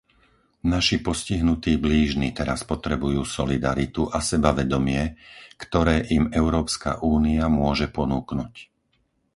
Naši postihnutí blížni teraz potrebujú solidaritu a sebavedomie, ktoré im Európska únia môže ponúknuť.